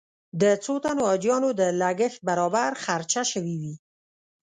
د څو تنو حاجیانو د لګښت برابر خرچه شوې وي.